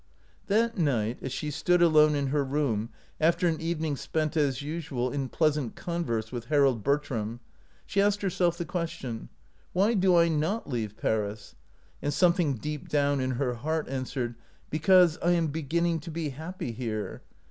That night, as she stood alone in her room after an evening spent as usual in pleasant converse with Harold Bertram, she asked herself the question, " Why do I not leave Paris?" and something deep down in her heart answered, "Because I am beginning to be happy here.